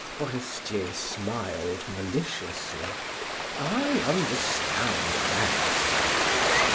Forestier smiled maliciously: "I understand that."